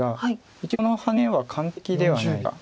一応このハネは完璧ではないというか。